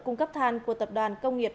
cung cấp than của tập đoàn công nghiệp